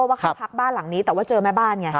ว่าเขาพักบ้านหลังนี้แต่ว่าเจอแม่บ้านไง